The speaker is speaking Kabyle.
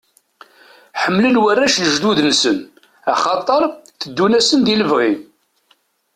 Ḥemmlen warrac lejdud-nsen axaṭer teddun-asen di lebɣi.